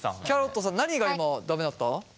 キャロットさん何が今駄目だった？